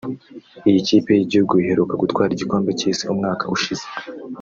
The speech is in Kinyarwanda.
Iyi kipe y’igihugu iheruka gutwara igikombe cy’isi umwaka ushize